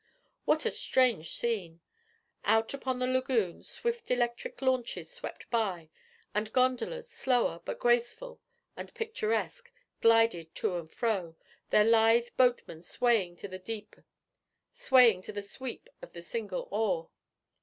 What a strange scene! Out upon the lagoon swift electric launches swept by, and gondolas, slower, but graceful and picturesque, glided to and fro, their lithe boatmen swaying to the sweep of the single oar.